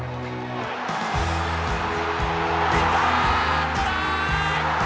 行った！トライ！